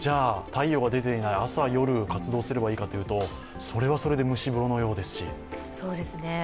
太陽が出ていない朝夜活動すればいいかというとそれはそれで蒸し風呂のようですし。